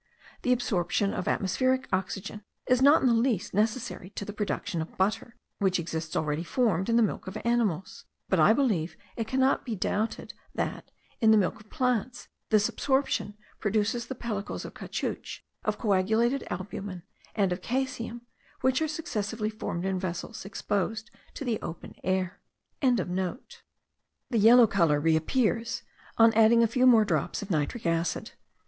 The absorption of atmospheric oxygen is not in the least necessary to the production of butter which exists already formed in the milk of animals; but I believe it cannot be doubted that, in the milk of plants, this absorption produces the pellicles of caoutchouc, of coagulated albumen, and of caseum, which are successively formed in vessels exposed to the open air.) The yellow colour reappears on adding a few more drops of nitric acid.